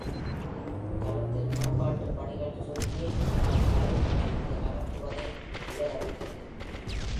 தளத்தில் மேம்பாட்டு பணிகள் சுருதியை முன்னாள் கழிவு முனைக்கு நகர்த்துவதை உள்ளடக்கியது.